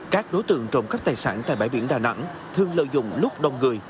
các đối tượng trộm cắp tài sản tại bãi biển đà nẵng thường lợi dụng lúc đông người